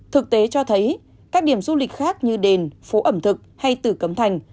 thực tế cho thấy các điểm du lịch khác như đền phố ẩm thực hay tử cấm thành